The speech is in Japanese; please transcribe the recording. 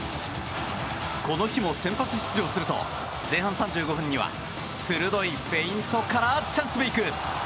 この日も先発出場すると前半３５分には鋭いフェイントからチャンスメイク。